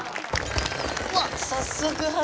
うわっ早速花火！